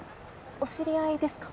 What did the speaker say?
お知り合いですか？